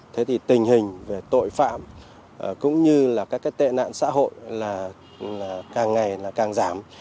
thế thì tình hình về tội phạm cũng như là các cái tệ nạn xã hội là càng ngày là càng giảm